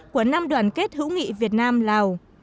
của năm đoàn kết hữu nghị việt nam lào